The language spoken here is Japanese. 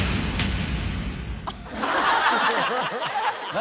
何？